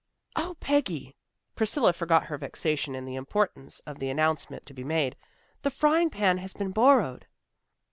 "O Peggy," Priscilla forgot her vexation in the importance of the announcement to be made, "the frying pan has been borrowed!"